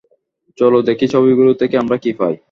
চলো দেখি ছবিগুলো থেকে আমরা কী পাই।